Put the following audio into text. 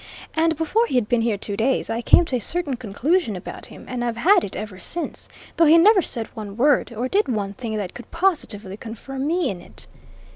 And before he'd been here two days I came to a certain conclusion about him, and I've had it ever since, though he never said one word, or did one thing that could positively confirm me in it."